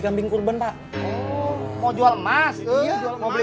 kambing kurban pak mau jual emas mau beli